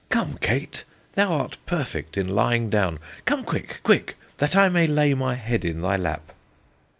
Come, Kate, thou art perfect in lying down: come quick, quick; that I may lay my head in thy lap.